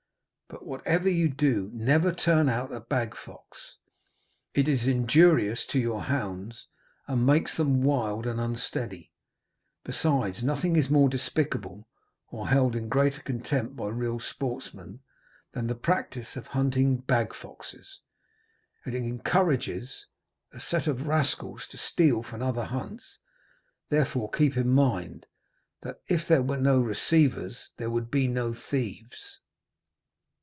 But whatever you do, never turn out a bag fox; it is injurious to your hounds, and makes them wild and unsteady: besides, nothing is more despicable, or held in greater contempt by real sportsmen, than the practice of hunting bag foxes. It encourages a set of rascals to steal from other hunts; therefore keep in mind, that if there were no receivers there would be no thieves.